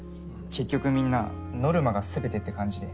結局みんなノルマが全てって感じで。